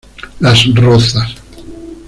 Las Rozas.